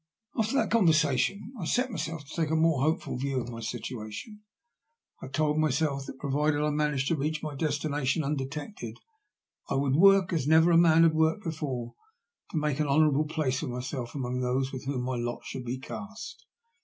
After that conversation I set myself to take a more hopeful view of my situation. I told myself that, pro vided I managed to reach my destination undetected, I would work as never man ever worked before to make an honourable place for myself among those with whom my lot should be cast.